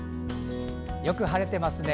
よく晴れてますね。